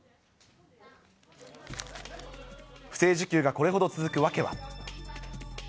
不正受給がこれほど続く訳は。